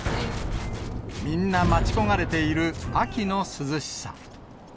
みんな待ち焦がれている秋の涼しさ。